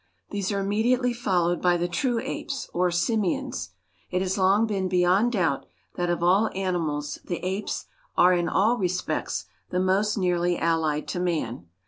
These are immediately followed by the true apes, or simians. It has long been beyond doubt that of all animals the apes are in all respects the most nearly allied to man.